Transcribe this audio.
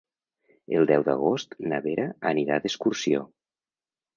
El deu d'agost na Vera anirà d'excursió.